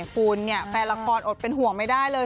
แฟนละครอดเป็นห่วงไม่ได้เลย